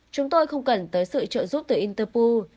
chúng tôi không cần tới sự trợ giúp từ interpu